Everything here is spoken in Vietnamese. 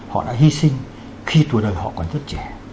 họ đã hy sinh khi tuổi đời họ còn rất trẻ